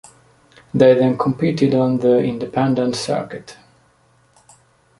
They then competed on the Independent Circuit.